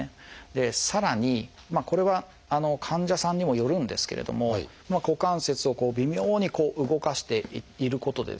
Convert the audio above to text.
でさらにこれは患者さんにもよるんですけれども股関節を微妙に動かしていることでですね